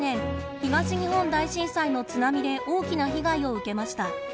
東日本大震災の津波で大きな被害を受けました。